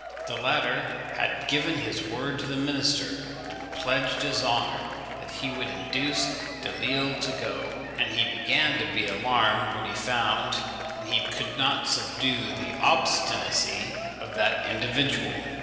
The latter had given his word to the minister, and pledged his honour that he would induce Delisle to go, and he began to be alarmed when he found he could not subdue the obstinacy of that individual.